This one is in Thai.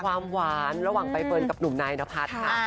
ความหวานระหว่างใบเฟิร์นกับหนุ่มนายนพัฒน์ค่ะ